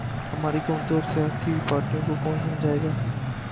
ہماری حکومتوں اور سیاسی پارٹیوں کو کون سمجھائے گا۔